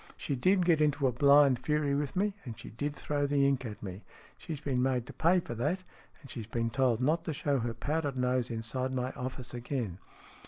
She did get into a blind fury with me, and she did throw the ink at me. She's been made to pay for that, and she's been told not to show her powdered nose inside my office again.